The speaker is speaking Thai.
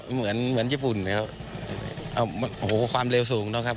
เหมือนญี่ปุ่นความเร็วสูงนะครับ